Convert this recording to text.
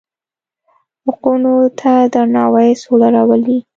حقونو ته درناوی سوله راولي.